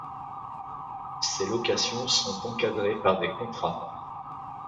Ces locations sont encadrées par des contrats.